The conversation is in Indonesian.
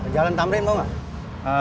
jalan tamrin mau gak